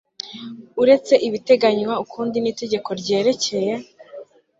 uretse ibiteganywa ukundi n itegeko ryerekeye